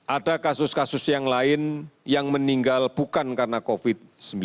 ada kasus kasus yang lain yang meninggal bukan karena covid sembilan belas